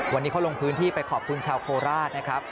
วันนี้เขาลงพื้นที่ไปขอบคุณชาวโคราชนะครับ